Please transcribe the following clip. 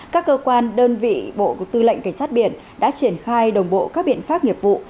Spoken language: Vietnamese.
các cơ quan đơn vị bộ tư lệnh cảnh sát biển đã triển khai đồng bộ các biện pháp nghiệp vụ